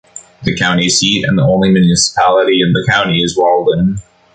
The county seat and only municipality in the county is Walden.